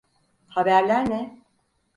Haberler ne?